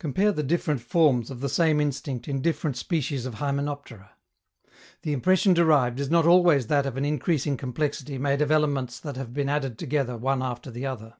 Compare the different forms of the same instinct in different species of hymenoptera. The impression derived is not always that of an increasing complexity made of elements that have been added together one after the other.